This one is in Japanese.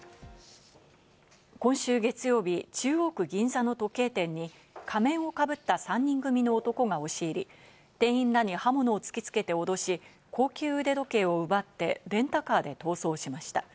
今週月曜日、中央区銀座の時計店に仮面をかぶった３人組の男が押し入り、店員らに刃物を突きつけて脅し、高級腕時計を奪ってレンタカーで逃走しました。